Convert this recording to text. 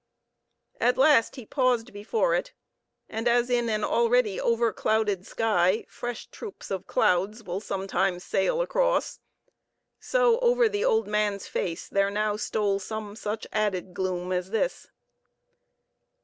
At last he paused before it; and as in an already over clouded sky fresh troops of clouds will sometimes sail across, so over the old man's face there now stole some such added gloom as this.